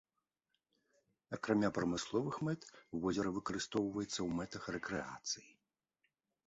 Акрамя прамысловых мэт, возера выкарыстоўваецца ў мэтах рэкрэацыі.